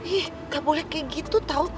eh gak boleh kayak gitu tau